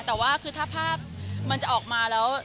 แต่ว่าคือถ้าภาพมันจะออกมาแล้ว